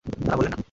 তারা বললেন না।